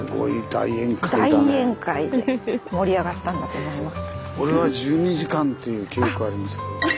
大宴会で盛り上がったんだと思います。